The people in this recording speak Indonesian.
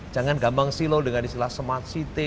jangan gampang silau dengan istilah smart city